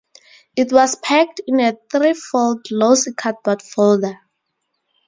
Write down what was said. It was packed in a threefold glossy cardboard folder.